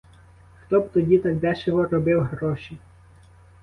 Хто б тоді так дешево робив гроші?